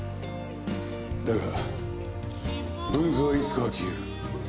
だがぶんずはいつかは消える。